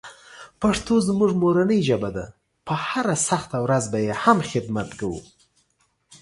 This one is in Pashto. پښتو زموږ مورنۍ ژبه ده، په هره سخته ورځ به یې هم خدمت کوو.